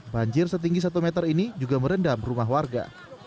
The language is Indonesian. banjir setinggi satu meter ini juga merendam rumah warga